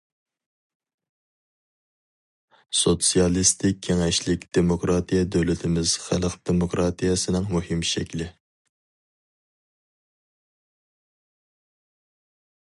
سوتسىيالىستىك كېڭەشلىك دېموكراتىيە دۆلىتىمىز خەلق دېموكراتىيەسىنىڭ مۇھىم شەكلى.